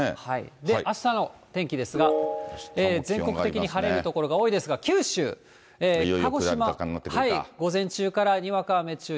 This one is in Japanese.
あしたの天気ですが、全国的に晴れる所が多いですが、九州、鹿児島、午前中からにわか雨注意。